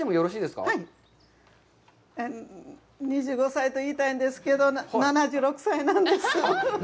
２５歳と言いたいんですけど、７６歳なんです。